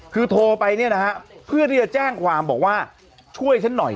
คือโทรไปเนี่ยนะฮะเพื่อที่จะแจ้งความบอกว่าช่วยฉันหน่อย